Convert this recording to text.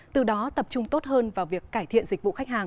từ đó tập trung tốt hơn vào việc cải thiện dịch vụ khách hàng